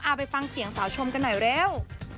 ไปฟังเสียงสาวชมกันหน่อยเร็ว